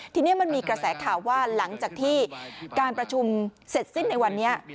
ทีนี้มันมีกระแสข่าวว่าหลังจากที่การประชุมเสร็จสิ้นในวันนี้